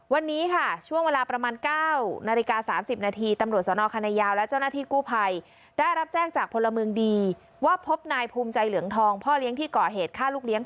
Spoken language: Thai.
วันนี้ค่ะช่วงเวลาประมาณ๙นาฬิกา๓๐นาที